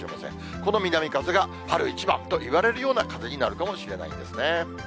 この南風が春一番といわれるような風になるかもしれないんですね。